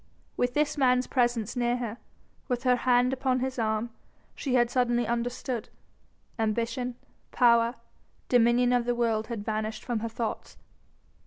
With this man's presence near her, with her hand upon his arm, she had suddenly understood. Ambition, power, dominion of the world had vanished from her thoughts.